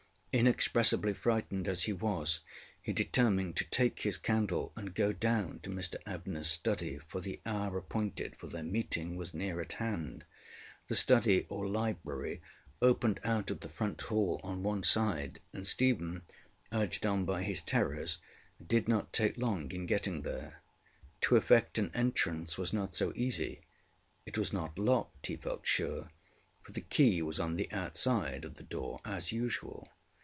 Inexpressibly frightened as he was, he determined to take his candle and go down to Mr AbneyŌĆÖs study, for the hour appointed for their meeting was near at hand. The study or library opened out of the front hall on one side, and Stephen, urged on by his terrors, did not take long in getting there. To effect an entrance was not so easy. It was not locked, he felt sure, for the key was on the outside of the door as usual.